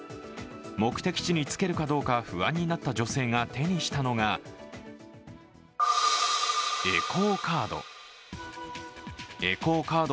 目的地につけるかどうか不安になった女性が手にしたのがエコーカード。